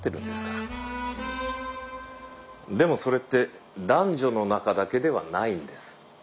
でもそれって男女の仲だけではないんです。